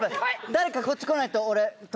誰かこっち来ないと、俺。